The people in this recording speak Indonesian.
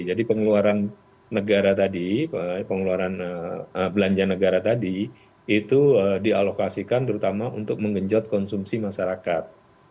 jadi pengeluaran negara tadi pengeluaran belanja negara tadi itu dialokasikan terutama untuk menggenjot konsumsi masyarakat